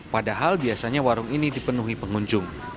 padahal biasanya warung ini dipenuhi pengunjung